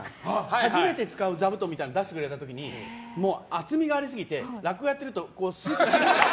初めて使う座布団みたいなのを出してくれた時に厚みがありすぎて落語やってるとスーって。